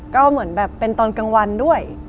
ก็เหมือนแบบเป็นตอนกลางวันด้วย